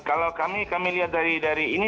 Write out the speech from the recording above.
kalau kami kami lihat dari ini